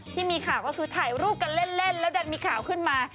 ตอนนั้นที่มีข่าก็คือถ่ายรูปกันเล่นแล้วก็มีข่าวขึ้นมา